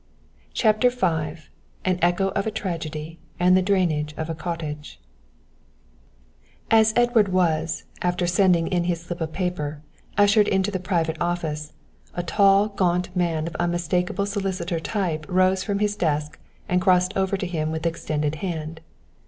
CHAPTER V AN ECHO OF A TRAGEDY AND THE DRAINAGE OF A COTTAGE As Edward was, after sending in his slip of paper, ushered into the private office, a tall, gaunt man of unmistakable solicitor type rose from his desk and crossed over to him with extended hand.